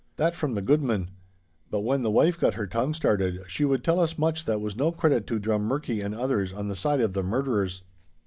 That from the goodman; but when the wife got her tongue started, she would tell us much that was no credit to Drummurchie and others on the side of the murderers.